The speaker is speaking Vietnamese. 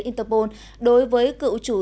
interpol đối với cựu chủ